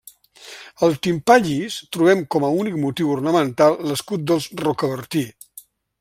Al timpà llis trobem com a únic motiu ornamental l'escut dels Rocabertí.